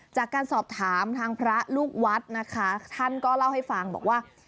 จากการสอบถามทางพระลูกวัดนะคะท่านก็เล่าให้ฟังบอกว่า